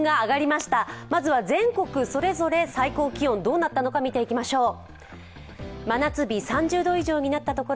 まずは全国それぞれ最高気温、どうなったのか見ていきましょう。